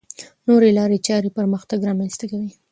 نوې لارې چارې پرمختګ رامنځته کوي.